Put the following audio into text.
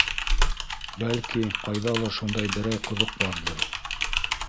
Бәлки, ҡайҙалыр шундай берәй ҡоҙоҡ барҙыр.